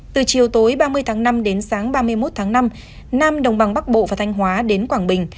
từ chiều tối ba mươi tháng năm đến sáng ba mươi một tháng năm nam đồng bằng bắc bộ và thanh hóa đến quảng bình